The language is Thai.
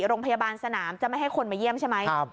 โรงพยาบาลสนามจะไม่ให้คนมาเยี่ยมใช่ไหม